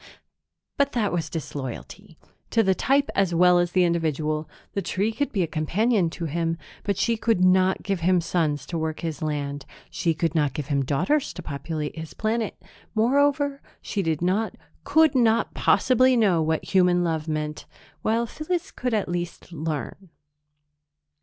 But that was disloyalty to the type as well as the individual. The tree could be a companion to him, but she could not give him sons to work his land; she could not give him daughters to populate his planet; moreover, she did not, could not possibly know what human love meant, while Phyllis could at least learn.